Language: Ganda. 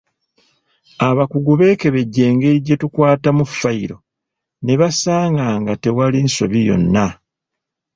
Abakugu beekebejja engeri gyetukwatamu ffayiro ne basanga nga tewali nsobi yonna.